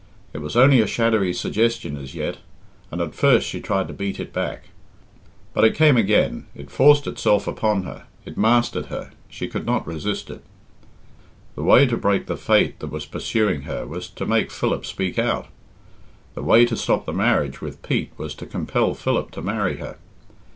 It was only a shadowy suggestion as yet, and at first she tried to beat it back. But it came again, it forced itself upon her, it mastered her, she could not resist it. The way to break the fate that was pursuing her was to make Philip speak out! The way to stop the marriage with Pete was to compel Philip to marry her!